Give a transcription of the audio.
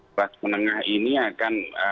kelas menengah ini akan